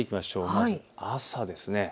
まず朝です。